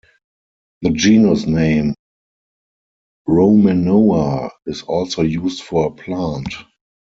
The genus name "Romanoa" is also used for a plant.